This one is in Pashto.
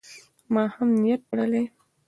ما هم نیت تړلی.